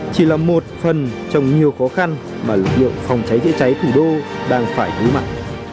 chỉ là một phần trong nhiều khó khăn mà lực lượng phòng cháy chữa cháy thủ đô đang phải đối mặt